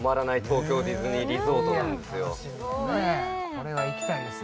これは行きたいですね